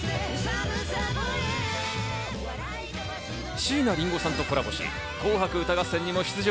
椎名林檎さんとコラボし、紅白歌合戦にも出場。